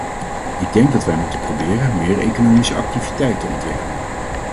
Ik denk dat wij moeten proberen meer economische activiteit te ontwikkelen.